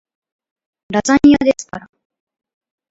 ラザニアですから